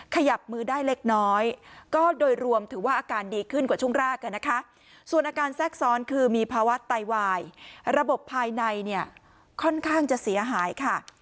ขยับมือได้เล็กน้อยก็โดยรวมถือว่าอาการดีขึ้นกว่าช่วงแรกนะคะส่วนอาการแทรกซ้อนคือมีภาวะไตวายระบบภายในเนี่ยค่อนข้างจะเสียหายค่ะ